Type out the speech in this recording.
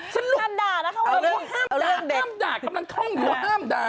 ฉันรู้เอาเรื่องเด็กคุณกำลังท่องรู้ห้ามด่า